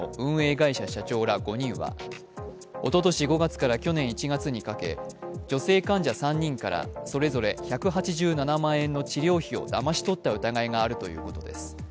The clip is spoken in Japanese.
会社社長ら５人はおととし５月から去年１月にかけ女性患者３人からそれぞれ１８７万円の治療費をだまし取った疑いがあるということです。